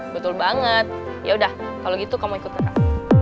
betul banget ya udah kalau gitu kamu ikut terang